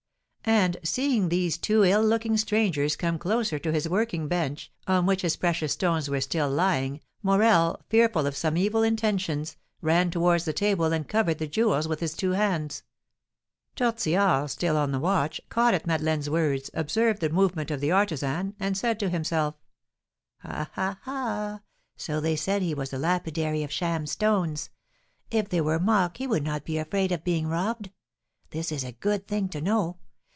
And, seeing these two ill looking strangers come closer to his working bench, on which his precious stones were still lying, Morel, fearful of some evil intentions, ran towards the table, and covered the jewels with his two hands. Tortillard, still on the watch, caught at Madeleine's words, observed the movement of the artisan, and said to himself: "Ha! ha! ha! So they said he was a lapidary of sham stones; if they were mock he would not be afraid of being robbed; this is a good thing to know.